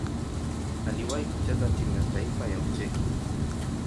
Aliwahi kucheza timu ya taifa ya Ucheki.